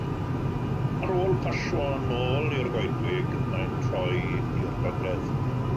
Ar ôl pasio yn ôl i'r goedwig, mae'n troi i'r gogledd.